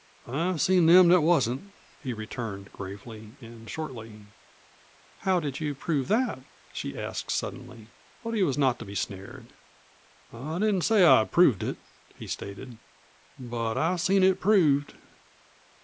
"I've seen them that wasn't," he returned gravely and shortly. "How did you prove that?" she asked suddenly. But he was not to be snared. "I didn't say I'd proved it," he stated. "But I've seen it proved."